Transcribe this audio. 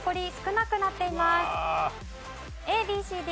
ＡＢＣＤ